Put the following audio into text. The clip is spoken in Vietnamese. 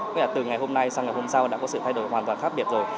tức là từ ngày hôm nay sang ngày hôm sau đã có sự thay đổi hoàn toàn khác biệt rồi